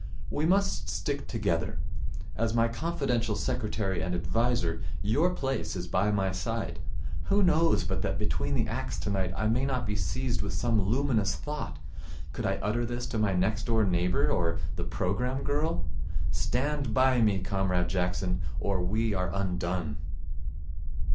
'We must stick together. As my confidential secretary and adviser, your place is by my side. Who knows but that between the acts tonight I may not be seized with some luminous thought? Could I utter this to my next door neighbour or the programme girl? Stand by me, Comrade Jackson, or we are undone.'